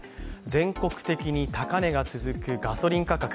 全国的に高値が続くガソリン価格。